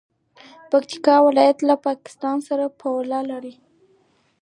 پکتیکا ولایت له پاکستان سره پوله لري.